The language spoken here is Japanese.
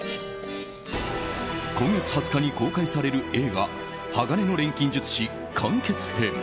今月２０日に公開される映画「鋼の錬金術師」完結編。